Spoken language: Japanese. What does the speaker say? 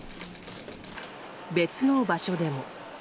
別の場所でも。